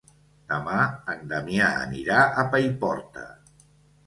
Demà en Damià anirà a Paiporta.